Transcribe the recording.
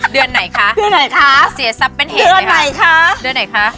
เดือนไหนคะเดือนไหนคะเสียทรัพย์เป็นเหตุเดือนไหนคะเดือนไหนคะ